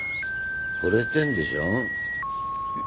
惚れてるんでしょ？